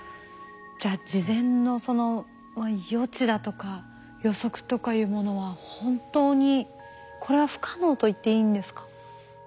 じゃあ事前のその予知だとか予測とかいうものは本当にこれは不可能と言っていいんですか？